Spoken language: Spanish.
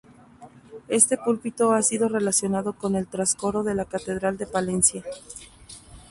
Este púlpito ha sido relacionado con el trascoro de la catedral de Palencia.